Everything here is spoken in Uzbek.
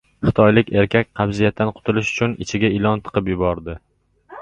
Xitoylik erkak qabziyatdan qutulish uchun ichiga ilon tiqib yubordi